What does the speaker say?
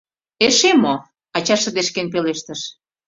— Эше мо? — ача шыдешкен пелештыш.